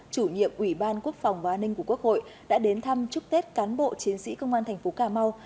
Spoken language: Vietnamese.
chủ nhiệm ủy ban quốc phòng và an ninh của quốc hội đã đến thăm chúc tết cán bộ chiến sĩ công an thành phố cà mau